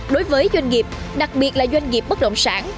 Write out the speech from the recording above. đối với doanh nghiệp đặc biệt là doanh nghiệp bất động sản